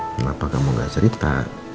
kenapa kamu gak cerita